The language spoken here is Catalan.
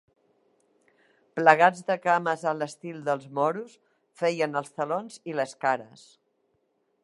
Plegats de cames a l’estil dels moros, feien els talons i les cares.